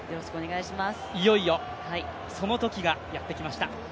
いよいよそのときがやってきました。